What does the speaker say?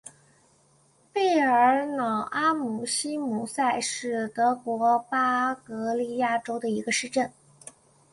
贝尔瑙阿姆希姆塞是德国巴伐利亚州的一个市镇。